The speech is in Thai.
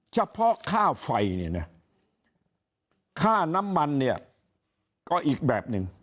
เฉพาะค่าไฟเนี่ยนะค่าน้ำมันเนี่ยก็อีกแบบหนึ่ง